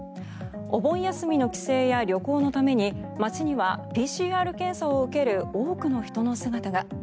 お盆休みの帰省や旅行のために街にはＰＣＲ検査を受ける多くの人の姿が。